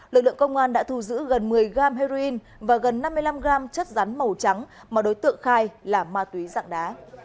lực lượng công an đã thu giữ gần một mươi gam heroin và gần năm mươi năm g chất rắn màu trắng mà đối tượng khai là ma túy dạng đá